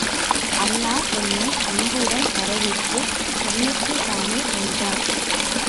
அண்ணா என்னை அன்புடன் வரவேற்று, சென்னைக்குத் தானே என்றார்.